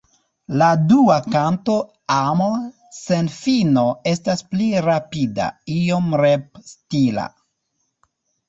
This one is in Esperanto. La dua kanto Amo sen fino estas pli rapida, iom rep-stila.